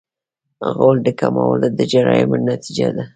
غول د کولمو د جراثیم نتیجه ده.